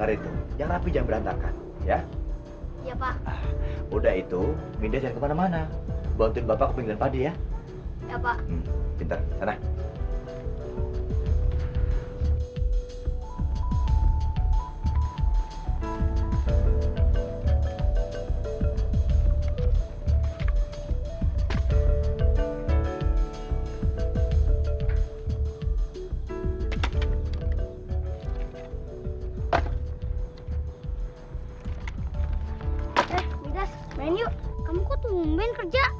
apa boleh saya ketemu dia